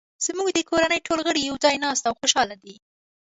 زموږ د کورنۍ ټول غړي یو ځای ناست او خوشحاله دي